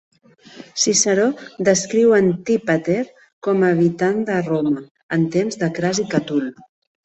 Ciceró descriu Antípater com a habitant de Roma en temps de Cras i Catul.